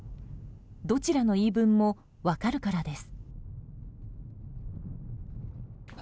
どちらの言い分も分かるからです。